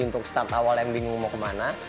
untuk start awal yang bingung mau kemana